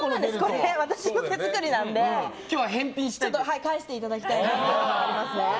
これは私の手作りなので今日は返していただきたいなと思います。